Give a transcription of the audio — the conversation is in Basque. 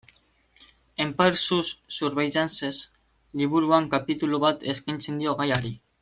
Empire sous Surveillance liburuan kapitulu bat eskaintzen dio gaiari.